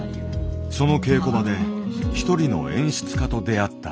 その稽古場で１人の演出家と出会った。